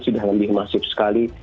sudah lebih masif sekali